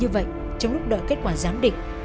như vậy trong lúc đợi kết quả giám địch